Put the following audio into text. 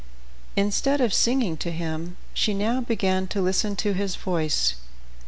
Instead of singing to him, she now began to listen to his voice.